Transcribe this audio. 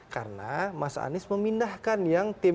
karena mas anies memindahkan yang tim